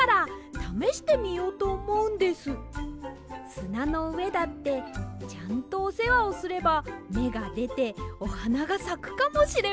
すなのうえだってちゃんとおせわをすればめがでておはながさくかもしれません。